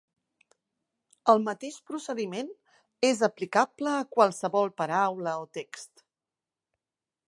El mateix procediment és aplicable a qualsevol paraula o text.